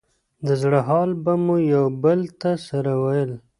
د زړه حال به مو يو بل ته سره ويل.